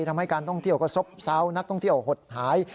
ทำให้การท่องเที่ยวก็ซบเซานักท่องเที่ยวหดหาย